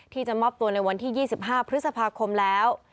ที่จะมอบตัวในวันที่๒๕พฤษภาคมแล้ว